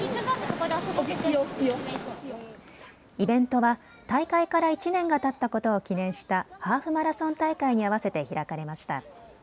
イベントは大会から１年がたったことを記念したハーフマラソン大会に合わせて開かれました。